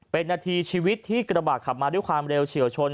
เป็นนาทีชีวิตที่กระบาดขับมาด้วยความเร็วเฉียวชน